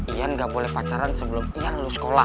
ian gak boleh pacaran sebelum ian lulus sekolah